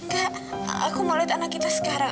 enggak aku mau lihat anak kita sekarang